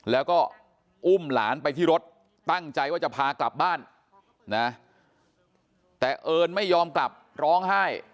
แล้วก็อุ้มหลานไปที่รถตั้งใจว่าจะพากลับบ้านนะแต่เอิญไม่ยอมกลับร้องไห้